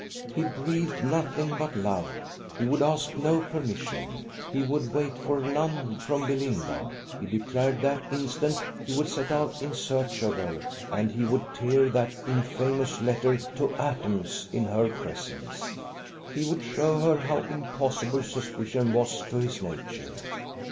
He breathed nothing but love; he would ask no permission, he would wait for none from Belinda: he declared that instant he would set out in search of her, and he would tear that infamous letter to atoms in her presence; he would show her how impossible suspicion was to his nature.